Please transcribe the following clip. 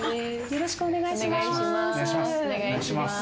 よろしくお願いします。